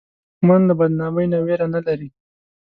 دښمن له بدنامۍ نه ویره نه لري